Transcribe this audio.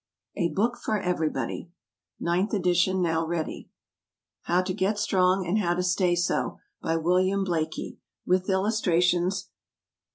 _ A BOOK FOR EVERYBODY. Ninth Edition now Ready. =HOW TO GET STRONG, AND HOW TO STAY SO.= By WILLIAM BLAIKIE. With Illustrations.